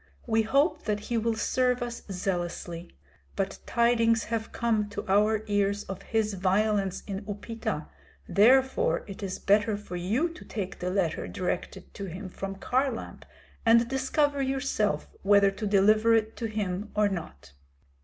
We hope that he will serve us zealously. But tidings have come to our ears of his violence in Upita, therefore it is better for you to take the letter directed to him from Kharlamp, and discover yourself whether to deliver it to him or not.